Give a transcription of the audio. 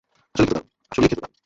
আসলেই খেতে দারুণ!